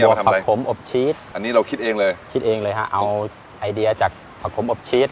ผักผมอบชีสอันนี้เราคิดเองเลยคิดเองเลยฮะเอาไอเดียจากผักผมอบชีส